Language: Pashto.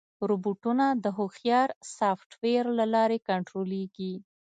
روبوټونه د هوښیار سافټویر له لارې کنټرولېږي.